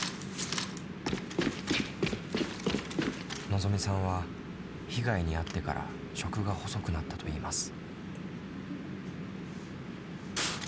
のぞみさんは被害に遭ってから食が細くなったといいます。